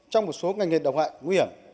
trong một số ngành nghề đồng hại nguy hiểm